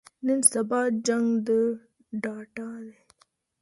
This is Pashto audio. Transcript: نن سبا جنګ د ډاټا دی.